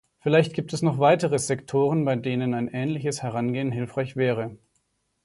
Vielleicht gibt es noch weitere Sektoren, bei denen ein ähnliches Herangehen hilfreich wäre.